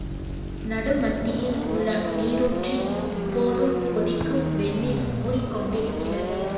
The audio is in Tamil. நடுமத்தியில் உள்ள நீரூற்றில் இப்போதும் கொதிக்கும் வெந்நீர் ஊறிக் கொண்டிருக்கிறது.